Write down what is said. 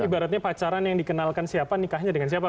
ibaratnya pacaran yang dikenalkan siapa nikahnya dengan siapa